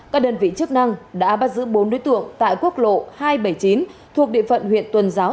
các đơn vị chức năng đã bắt giữ bốn đối tượng tại quốc lộ hai trăm bảy mươi chín thuộc địa phận huyện tuần giáo